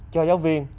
cho giáo viên